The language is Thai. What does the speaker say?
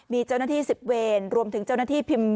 มีเจ้าหน้าที่๑๐เวรรวมถึงเจ้าหน้าที่พิมพ์